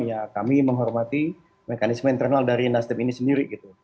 ya kami menghormati mekanisme internal dari nasdem ini sendiri gitu